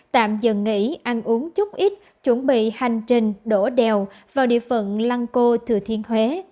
tạm dừng nghỉ ăn uống chúc ít chuẩn bị hành trình đổ đèo vào địa phận lăng cô thừa thiên huế